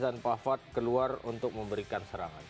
dan pavard keluar untuk memberikan serangan